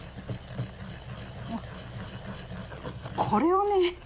これをね